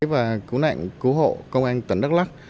và cứu nạn cứu hộ công an tỉnh đắk lắc